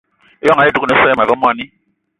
Ijon ayì dúgne so àyi ma ve mwani